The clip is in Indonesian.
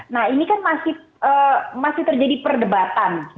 nah ini kan masih terjadi perdebatan